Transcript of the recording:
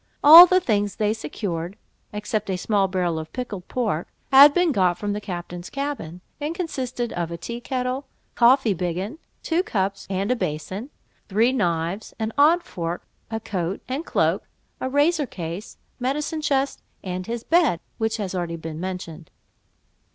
All the things they secured (except a small barrel of pickled pork) had been got from the captain's cabin, and consisted of a tea kettle, coffee biggin, two cups, and a basin; three knives, an odd fork, a coat and cloak, a razor case, medicine chest, and his bed, which has been already mentioned.